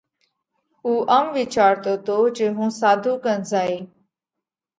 اُو ام وِيچارتو تو جي هُون ساڌُو ڪنَ زائه